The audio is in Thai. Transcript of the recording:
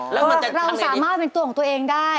แล้วมันจะทำในที่เราสามารถเป็นตัวของตัวเองได้